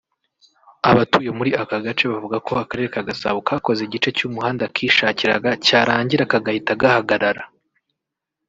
Abatuye muri aka gace bavuga ko akarere ka Gasabo kakoze igice cy’umuhanda kishakiraga cyarangira kagahita gahagarara